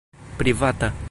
privata